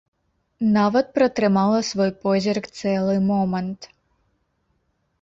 Нават пратрымала свой позірк цэлы момант.